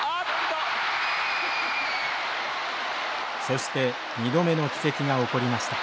そして２度目の奇跡が起こりました。